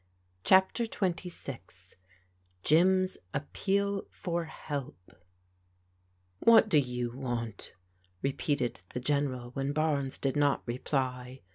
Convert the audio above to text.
CHAPTER XXVI jnrS APPEAL FOR HELP AT do Toa want?" repeated die General wben Barnes <fid not reply.